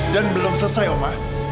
dan belum selesai oma